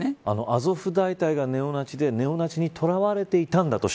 アゾフ大隊がネオナチでネオナチに市民が捕らわれていたんだと。